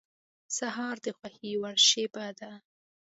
سهار د خوښې وړ شېبه ده.